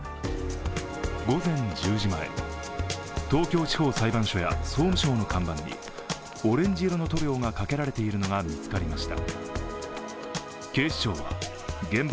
午前１０時前、東京地方裁判所や総務省の看板にオレンジ色の塗料がかけられているのが見つかりました。